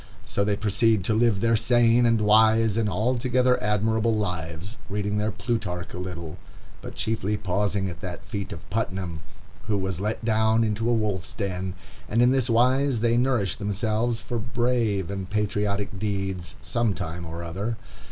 So they proceed to live their sane, and wise, and altogether admirable lives, reading their Plutarch a little, but chiefly pausing at that feat of Putnam, who was let down into a wolf's den; and in this wise they nourish themselves for brave and patriotic deeds some time or other.